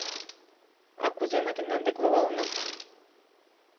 — А кузе мый тендан дек логалынам?